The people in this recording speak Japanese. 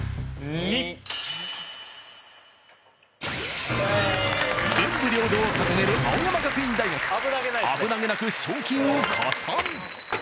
２文武両道を掲げる青山学院大学危なげなく賞金を加算